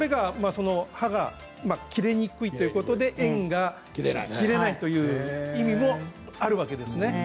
葉っぱが切れにくいということで、縁が切れないという意味もあるわけですね。